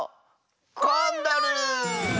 コンドル！